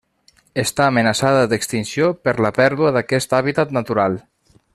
Està amenaçada d'extinció per la pèrdua d'aquest hàbitat natural.